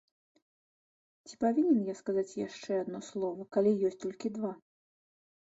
Ці павінен я сказаць яшчэ адно слова, калі ёсць толькі два?